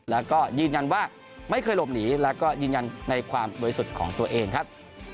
แล้วก็ยืนยันว่าไม่เคยหลบหนีแล้วก็ยืนยันในความบริสุทธิ์ของตัวเองครับ